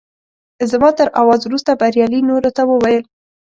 زما تر اواز وروسته بریالي نورو ته وویل.